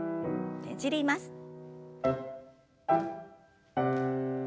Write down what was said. ねじります。